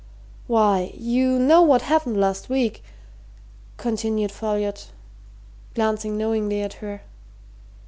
"Why, you know what happened last week," continued Folliot, glancing knowingly at her.